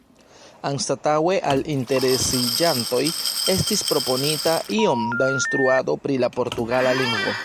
Anstataŭe al interesiĝantoj estis proponita iom da instruado pri la portugala lingvo.